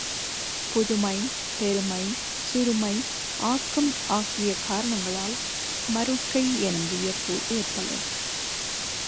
புதுமை, பெருமை, சிறுமை, ஆக்கம் ஆகிய காரணங்களால் மருட்கை எனும் வியப்பு ஏற்படும்.